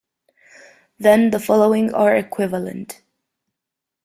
Then the following are equivalent.